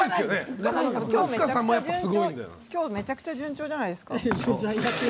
今日、めちゃくちゃ順調じゃないですか？